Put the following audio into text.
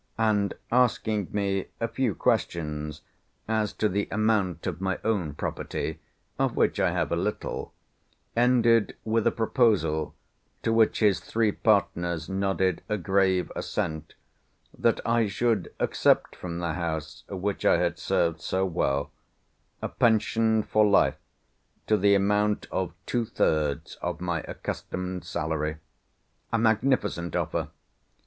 and asking me a few questions as to the amount of my own property, of which I have a little, ended with a proposal, to which his three partners nodded a grave assent, that I should accept from the house, which I had served so well, a pension for life to the amount of two thirds of my accustomed salary—a magnificent offer!